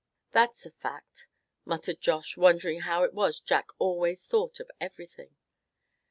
"That's a fact," muttered Josh, wondering how it was Jack always thought of everything.